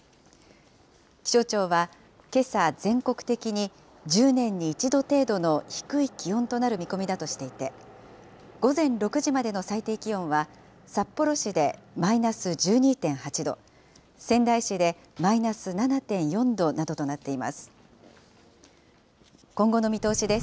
気象庁は、けさ、全国的に１０年に一度程度の低い気温となる見込みだとしていて、午前６時までの最低気温は札幌市でマイナス１２．８度、仙台市でマイナス７．４度などとなっています。